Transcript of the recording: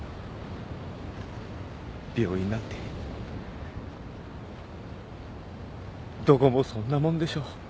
病院なんてどこもそんなもんでしょう。